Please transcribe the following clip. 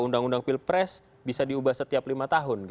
undang undang pilpres bisa diubah setiap lima tahun